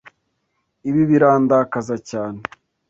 Ibi birandakaza cyane.